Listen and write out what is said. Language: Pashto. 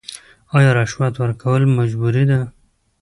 آیا رشوت ورکول مجبوري ده؟